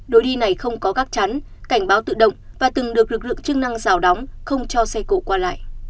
lối đi này không có gác chắn cảnh báo tự động và từng được lực lượng chức năng rào đóng không cho xe cộ qua lại